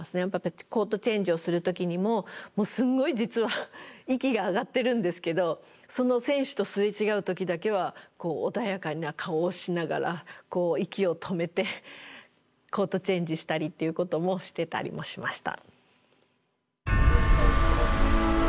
コートチェンジをする時にもすごい実は息が上がってるんですけどその選手と擦れ違う時だけは穏やかな顔をしながらこう息を止めてコートチェンジしたりっていうこともしてたりもしました。